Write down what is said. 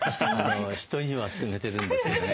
人には勧めてるんですけどね。